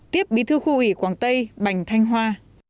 tiếp bí thư khu ủy quảng tây bành thanh hoa